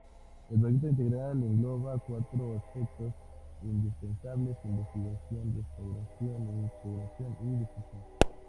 El Proyecto Integral engloba cuatro aspectos indispensables: investigación, restauración, integración y difusión.